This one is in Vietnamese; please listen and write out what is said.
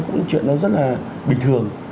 cũng là chuyện nó rất là bình thường